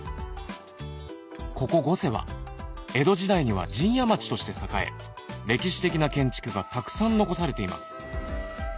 ここ御所は江戸時代には陣屋町として栄え歴史的な建築がたくさん残されています